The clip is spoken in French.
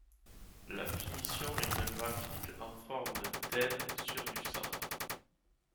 La finition est un graphique en forme d'ailes sur du sang.